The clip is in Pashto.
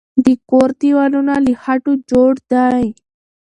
د کور دیوالونه له خټو جوړ دی.